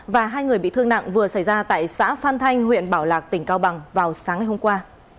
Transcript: và hai người bị thương nặng vừa xảy ra tại xã phan thanh huyện bảo lạc tỉnh cao bằng vào sáng ngày hôm qua